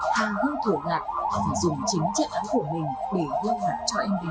thang hư thổ ngặt và dùng chính chế án của mình để hương mặt cho em bé